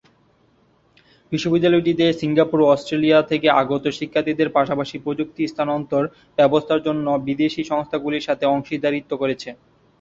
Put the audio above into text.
বিশ্ববিদ্যালয়টিতে Singapore ও Australia থেকে আগত শিক্ষার্থীদের পাশাপাশি প্রযুক্তি স্থানান্তর ব্যবস্থার জন্য বিদেশী সংস্থাগুলির সাথে অংশীদারিত্ব করেছে।